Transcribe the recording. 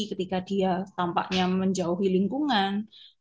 ketika dia tampaknya menjauhi lingkungan